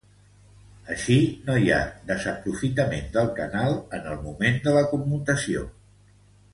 Així, no hi ha desaprofitament del canal en el moment de la commutació.